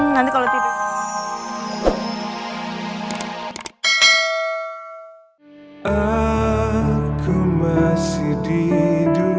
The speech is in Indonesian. nanti kalau tidur